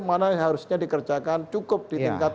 mana seharusnya dikerjakan cukup di tingkat